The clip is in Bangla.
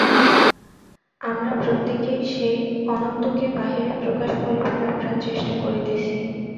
আমরা প্রত্যেকেই সেই অনন্তকে বাহিরে প্রকাশ করিবার আপ্রাণ চেষ্টা করিতেছি।